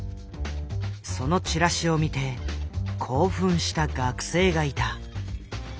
そのチラシを見て興奮した学生がいた。